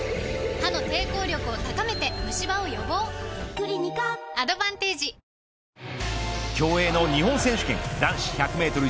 クリニカアドバンテージ競泳の日本選手権男子１００メートル